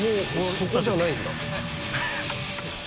そこじゃないんだ。